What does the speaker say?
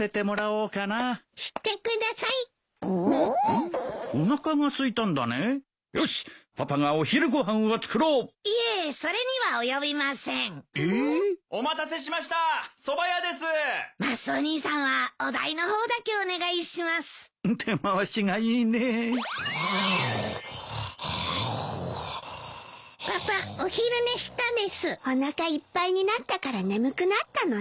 おなかいっぱいになったから眠くなったのね。